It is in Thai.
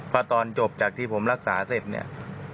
เพราะตอนจบจากที่ผมรักษาเสร็จเนี่ย